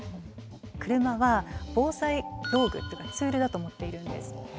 車は防災道具っていうかツールだと思っているんです。